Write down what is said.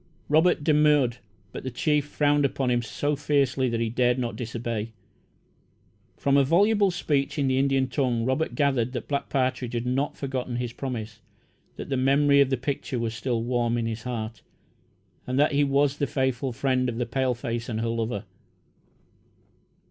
Robert demurred, but the chief frowned upon him so fiercely that he dared not disobey. From a voluble speech in the Indian tongue, Robert gathered that Black Partridge had not forgotten his promise that the memory of the picture was still warm in his heart, and that he was the faithful friend of the paleface and her lover.